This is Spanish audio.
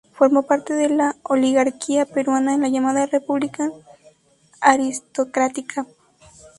Formó parte de la oligarquía peruana en la llamada República Aristocrática.